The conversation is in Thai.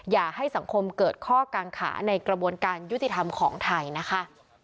อย่าให้สังคมเกิดข้อกางขาในกระบวนการยุติธรรมของไทยนะคะ